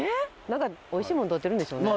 何かおいしいもんとってるんでしょうね。